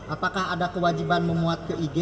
apakah ada kewajiban memuat ke ig